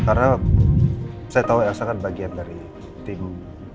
karena saya tahu elsa kan bagian dari timmu